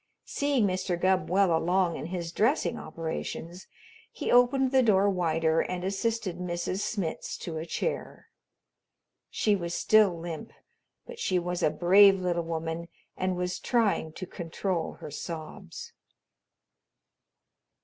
Seeing Mr. Gubb well along in his dressing operations, he opened the door wider and assisted Mrs. Smitz to a chair. She was still limp, but she was a brave little woman and was trying to control her sobs.